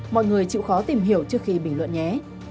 mọi người chịu khó tìm hiểu trước khi bình luận nhé